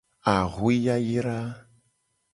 Axwe yayra.